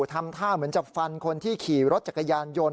ทำท่าเหมือนจะฟันคนที่ขี่รถจักรยานยนต์